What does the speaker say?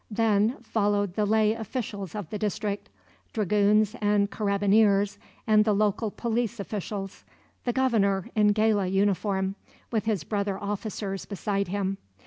Then followed the lay officials of the district; dragoons and carabineers and the local police officials; the Governor in gala uniform, with his brother officers beside him.